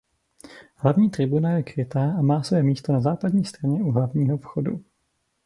Hlavní tribuna je krytá a má své místo na západní straně u hlavního vchodu.